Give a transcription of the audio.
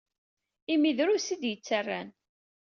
Imi drus i d-yettarran.